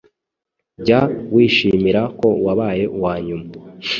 Jya wishimira ko wabaye uwanyuma